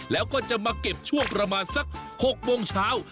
แล้วก็จะมาเก็บช่วงประมาณสัก๖โมงเช้า